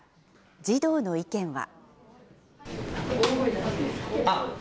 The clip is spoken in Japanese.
児童の意見は。